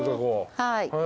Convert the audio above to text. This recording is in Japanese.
はい。